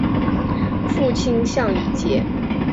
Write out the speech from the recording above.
父亲向以节。